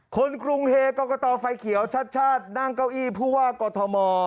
คนกรุงเทกกรกตไฟเขียวชัดนั่งเก้าอี้ผู้ว่ากฎธมรณ์